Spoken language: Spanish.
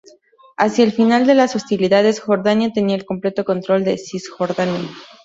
Hacia el final de las hostilidades, Jordania tenía el completo control de Cisjordania.